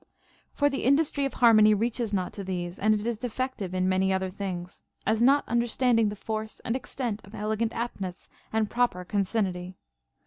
For the industry of har mony reaches not to these, and it is defective in many other things, as not understanding the force and extent of elegant aptness and proper concinnity.